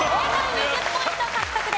２０ポイント獲得です。